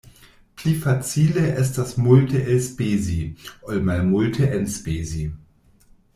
Pli facile estas multe elspezi, ol malmulte enspezi.